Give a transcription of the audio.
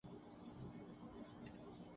کلن بھائی کی خواہش جوتی